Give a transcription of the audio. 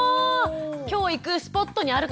今日行くスポットにあるかどうか。